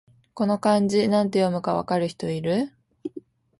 この漢字、なんて読むか分かる人いる？